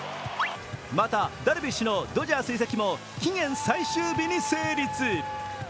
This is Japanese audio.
またダルビッシュのドジャース移籍も期限最終日に成立。